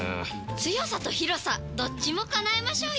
強さと広さどっちも叶えましょうよ！